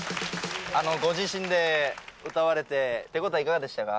ご自身で歌われて手応えいかがでしたか？